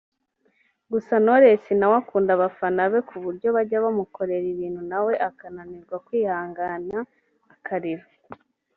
Gusa Knowless nawe akunda abafana be kuburyo bajya bamukorera ibintu nawe akananirwa kwihangana akarira